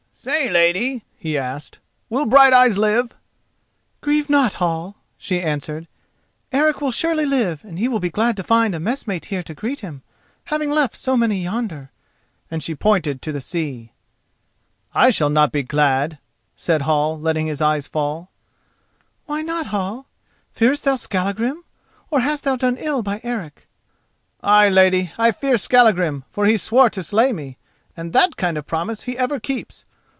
"Say, lady," he asked, "will Brighteyes live?" "Grieve not, Hall," she answered, "Eric will surely live and he will be glad to find a messmate here to greet him, having left so many yonder," and she pointed to the sea. "I shall not be glad," said Hall, letting his eyes fall. "Why not, Hall? Fearest thou Skallagrim? or hast thou done ill by Eric?" "Ay, lady, I fear Skallagrim, for he swore to slay me, and that kind of promise he ever keeps.